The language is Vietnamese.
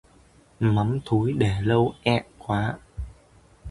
Mắm thúi để lâu ẹ quá